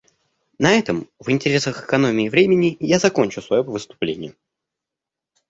На этом, в интересах экономии времени, я закончу свое выступление.